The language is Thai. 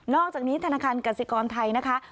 อกจากนี้ธนาคารกสิกรไทยนะคะ